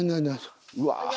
うわ。